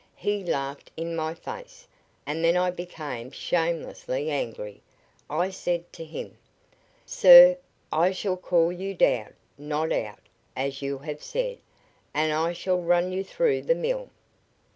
He laughed in my face, and then I became shamelessly angry. I said to him: "'Sir, I shall call you down not out, as you have said and I shall run you through the mill.'